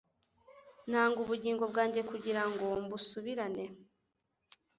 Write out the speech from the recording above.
"Ntanga ubugingo bwanjye kugira ngo mbusubirane.